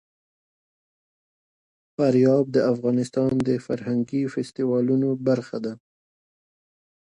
فاریاب د افغانستان د فرهنګي فستیوالونو برخه ده.